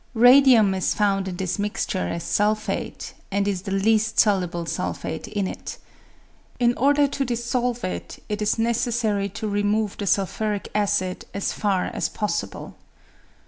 Radium is found in this mixture as sulphate, and is the least soluble sulphate in it. In order to dissolve it, it is necessary to remove the sulphuric acid as far as possible.